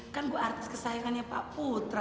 kan gue artis kesayangannya pak putra